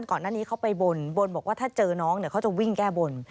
ก่อนหน้านี้เขาไปบนบอกว่าถ้าเจอน้องเนี่ยเขาจะวิ่งแก้บน